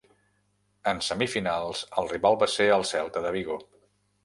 En semifinals el rival va ser el Celta De Vigo.